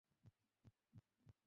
দেখো, ওর একটা সুযোগ পাওয়া উচিত।